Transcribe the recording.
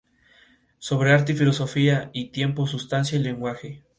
Sobre arte y filosofía" y "Tiempo, sustancia y lenguaje.